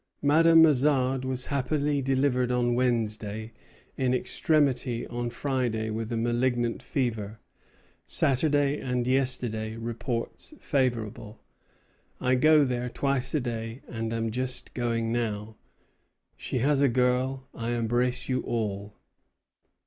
Madame Mazade was happily delivered on Wednesday; in extremity on Friday with a malignant fever; Saturday and yesterday, reports favorable. I go there twice a day, and am just going now. She has a girl. I embrace you all."